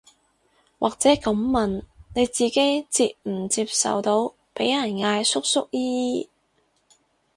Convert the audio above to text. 或者噉問，你自己接唔接受到被人嗌叔叔姨姨